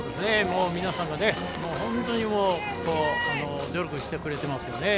皆さんが本当に努力してくれてますよね。